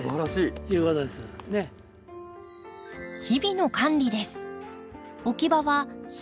日々の管理です。